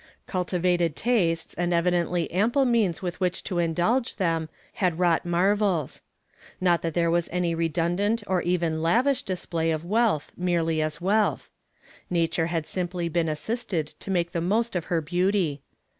Cultivated tastes, and evidently ample means with which to indulge them, had wrouglit marvels. Not that there was any redundant or even lavish display of wealth merely as wealth. Nature had simply been assisted to make the most of her beauty.